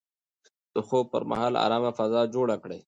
د خوب پر مهال ارامه فضا جوړه کړئ.